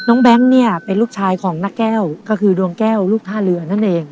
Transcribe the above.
แบงค์เนี่ยเป็นลูกชายของนักแก้วก็คือดวงแก้วลูกท่าเรือนั่นเอง